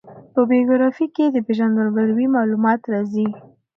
په بېوګرافي کښي د پېژندګلوي معلومات راځي.